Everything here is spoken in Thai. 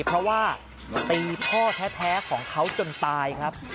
เพราะว่าตีพ่อแท้ของเขาจนตายครับ